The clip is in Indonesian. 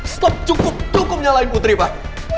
stop cukup cukup nyalahin putri pak